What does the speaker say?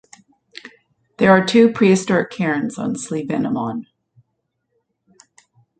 There are two prehistoric cairns on Slievenamon.